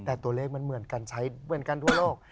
แต่ตัวเลขมันเหมือนกันใช้เหมือนกันทั่วโลก